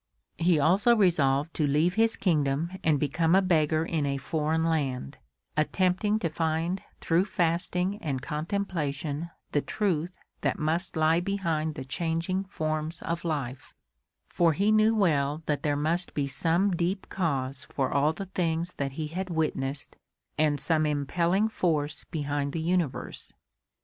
He also resolved to leave his kingdom and become a beggar in a foreign land, attempting to find through fasting and contemplation the truth that must lie behind the changing forms of life, for he knew well that there must be some deep cause for all the things that he had witnessed and some impelling force behind the universe.